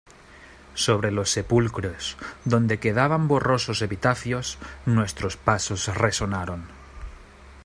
sobre los sepulcros, donde quedaban borrosos epitafios , nuestros pasos resonaron.